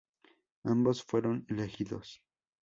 Ambos fueron elegidos.